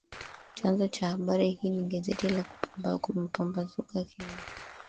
Chanzo cha habari hii ni gazeti la Kumepambazuka, Kenya